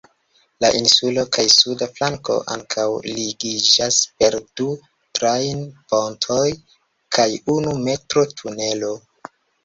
La insulo kaj suda flanko ankaŭ ligiĝas per du trajn-pontoj kaj unu metro-tunelo.